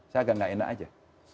saya agak nggak enak aja